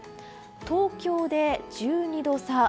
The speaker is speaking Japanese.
東京で１２度差